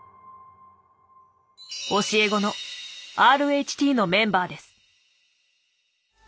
教え子のＲＨＴのメンバーです。